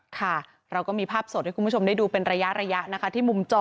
ค่ะเราก็มีภาพสดให้คุณผู้ชมได้ดูเป็นระยะนะคะที่มุมจอ